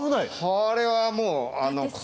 これはもう。